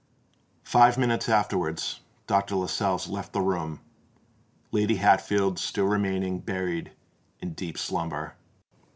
Five minutes afterwards Dr. Lascelles left the room, Lady Hatfield still remaining buried in a deep slumber.